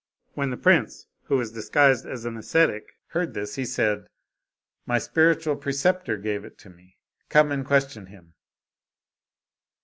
When the prince, who was disguised as an ascetic, heard this, he said, "My spiritual preceptor gave it me; come and question him."